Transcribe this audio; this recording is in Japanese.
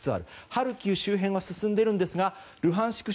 ハルキウ周辺は進んでいるんですがルハンシク